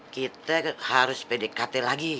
kita harus pdkt lagi